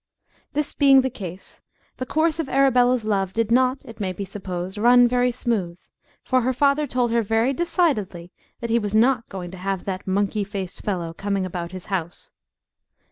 This being the case, the course of Arabella's love did not, it may be supposed, run very smooth, for her father told her very decidedly that he was not going to have "that monkey faced fellow" coming about his house.